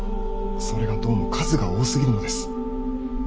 それがどうも数が多すぎるのです。